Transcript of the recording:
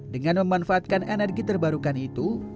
dengan memanfaatkan energi terbarukan itu